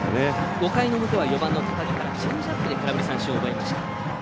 ５回の表は４番の高木からチェンジアップで空振り三振を奪いました。